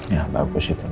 ya bagus itu ma